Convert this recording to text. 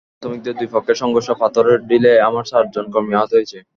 তবে শ্রমিকদের দুই পক্ষের সংঘর্ষে পাথরের ঢিলে আমার চারজন কর্মী আহত হয়েছে।